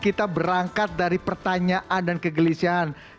kita berangkat dari pertanyaan dan kegelisahan